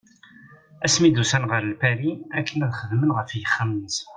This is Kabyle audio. Asmi i d-ussan ɣer Lpari akken ad xedmen ɣef yixxamen-nsen.